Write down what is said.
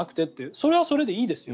それはそれでいいですよ。